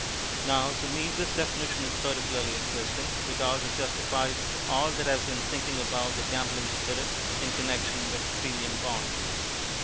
Now, to me this definition is particularly interesting, because it justifies all that I have been thinking about the gambling spirit in connexion with Premium Bonds.